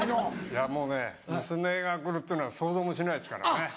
いやもうね娘がくるというのは想像もしないですからね。